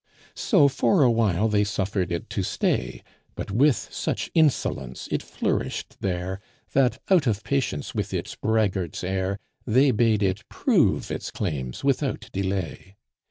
So for a while they suffered it to stay; But with such insolence it flourished there, That, out of patience with its braggart's air, They bade it prove its claims without delay.